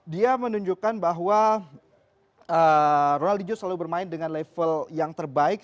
dia menunjukkan bahwa ronaldijo selalu bermain dengan level yang terbaik